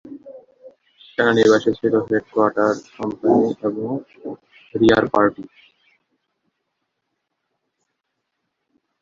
সেনানিবাসে ছিল headquarter company এবং রিয়ার পার্টি।